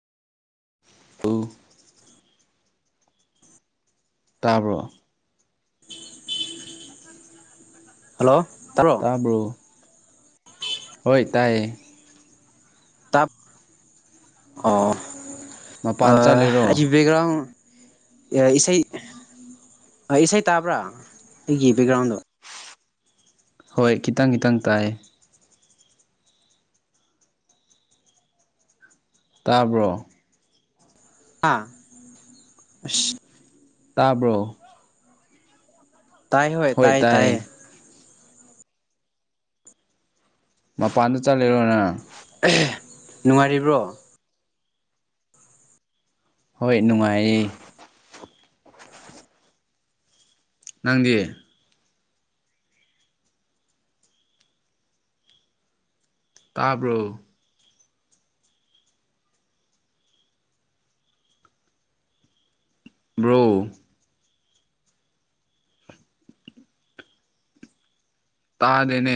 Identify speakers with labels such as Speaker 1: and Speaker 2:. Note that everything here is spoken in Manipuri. Speaker 1: ꯇ ꯇꯥꯕ꯭ꯔꯣ
Speaker 2: ꯍꯜꯂꯣ ꯇꯥꯃ
Speaker 1: ꯇꯕ꯭ꯔꯣ ꯍꯣꯏ ꯇꯥꯏꯌꯦ
Speaker 2: ꯇꯞ ꯑꯣ
Speaker 1: ꯃꯄꯥꯟ ꯆꯠꯂꯤꯔꯣ
Speaker 2: ꯑꯩ ꯕꯦꯛꯒ꯭ꯔꯥꯎꯟ ꯏꯁꯩ ꯏꯁꯩ ꯇꯥꯕ꯭ꯔꯥ ꯑꯩꯒꯤ ꯕꯦꯛꯒ꯭ꯔꯥꯎꯟꯗꯣ
Speaker 1: ꯍꯣꯏ ꯈꯤꯇꯪ ꯈꯤꯇꯪ ꯇꯥꯏ ꯇꯥꯕ꯭ꯔꯣ
Speaker 2: ꯑꯥ
Speaker 1: ꯇꯥꯕ꯭ꯔꯣ
Speaker 2: ꯇꯥꯏ ꯍꯣꯏ ꯇꯥꯏ ꯇꯥꯏꯌꯦ
Speaker 1: ꯃꯄꯥꯟꯗ ꯆꯠꯂꯔꯣꯅ
Speaker 2: ꯅꯨꯡꯉꯥꯏꯔꯤꯕ꯭ꯔꯣ
Speaker 1: ꯍꯣꯏ ꯅꯨꯡꯉꯥꯏꯌꯦ ꯅꯪꯗꯤ ꯇꯥꯕ꯭ꯔꯣ ꯕ꯭ꯔꯣ ꯇꯥꯗꯅꯦ